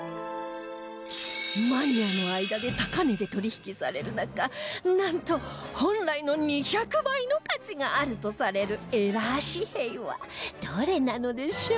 マニアの間で高値で取引される中なんと本来の２００倍の価値があるとされるエラー紙幣はどれなのでしょう？